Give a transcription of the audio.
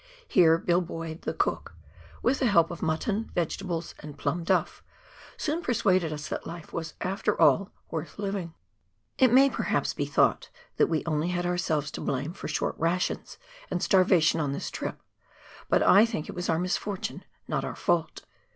Here Bill Boyd, the cook, with the help of mutton, vegetables, and plum duff, soon persuaded us that life after all was worth living. It may, perhaps, be thought that we only had ourselves to blame for short rations and starvation on this trip, but I think it was our misfortune, not our fault.